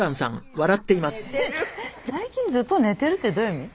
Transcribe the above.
最近ずっと寝てるってどういう意味？